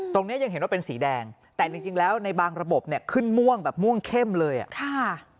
เนี้ยยังเห็นว่าเป็นสีแดงแต่จริงจริงแล้วในบางระบบเนี่ยขึ้นม่วงแบบม่วงเข้มเลยอ่ะค่ะ